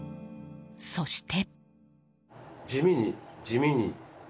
そして。